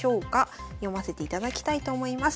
読ませていただきたいと思います。